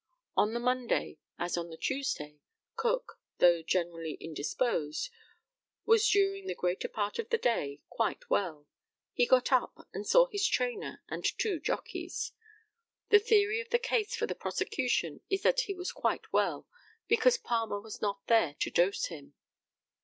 On the Monday, as on the Tuesday, Cook, though generally indisposed, was during the greater part of the day quite well. He got up and saw his trainer and two jockeys. The theory of the case for the prosecution is that he was quite well, because Palmer was not there to dose him.